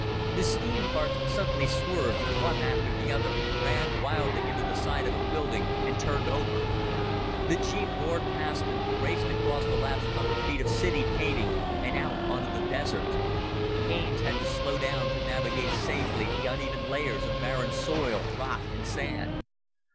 The steam carts suddenly swerved, one after the other, ran wildly into the side of a building, and turned over. The jeep roared past them, raced across the last hundred feet of city paving and out onto the desert. Haines had to slow down to navigate safely the uneven layers of barren soil, rock and sand.